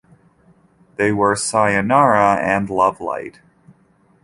They were "Sayonara" and "Love Light".